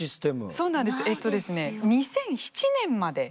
そうなんですえっとですね